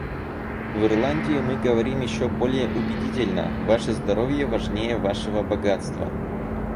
В Ирландии мы говорим еще более убедительно: «Ваше здоровье важнее Вашего богатства.